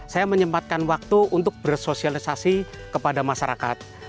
saya menyempatkan waktu untuk bersosialisasi kepada masyarakat